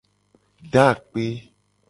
Do akpe.